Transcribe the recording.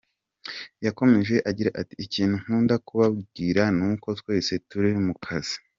Yakomeje agira ati “Ikintu nkunda kubabwira ni uko twese turi mu kazi.